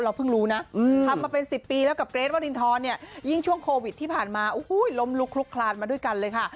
เพิ่งรู้นะทำมาเป็น๑๐ปีแล้วกับเกรทวรินทรเนี่ยยิ่งช่วงโควิดที่ผ่านมาโอ้โหล้มลุกลุกคลานมาด้วยกันเลยค่ะ